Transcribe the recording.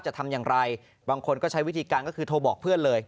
จะทำอย่างไรบางคนก็ใช้วิธีการก็คือโทรบอกเพื่อนเลย